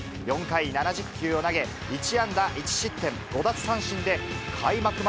４回７０球を投げ、１安打１失点５奪三振で開幕